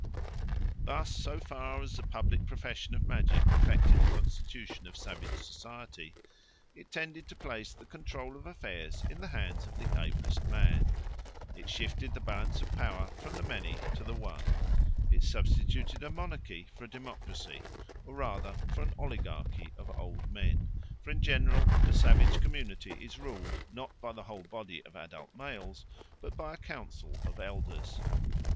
Thus, so far as the public profession of magic affected the constitution of savage society, it tended to place the control of affairs in the hands of the ablest man: it shifted the balance of power from the many to the one: it substituted a monarchy for a democracy, or rather for an oligarchy of old men; for in general the savage community is ruled, not by the whole body of adult males, but by a council of elders.